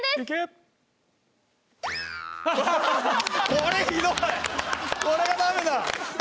これはダメだ